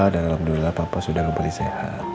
dan alhamdulillah papa sudah kembali sehat